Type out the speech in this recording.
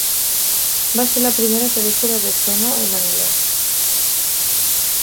Va ser la primera pel·lícula de Sono en anglès.